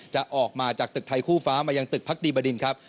จะออกมาจากตึกไทยคู่ฟ้ามายังตึกพักดีบดินครับ